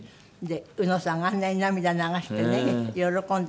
うのさんがあんなに涙流してね喜んで。